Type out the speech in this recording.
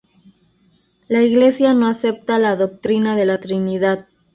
La iglesia no acepta la doctrina de la Trinidad.